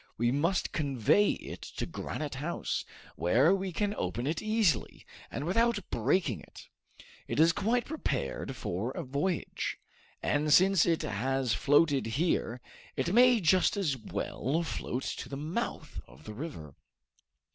We must convey it to Granite House, where we can open it easily, and without breaking it. It is quite prepared for a voyage; and since it has floated here, it may just as well float to the mouth of the river."